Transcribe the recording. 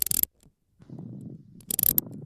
د دغي ودانۍ په خونه کي یو ماشوم په ټابلېټ کي درس لولي.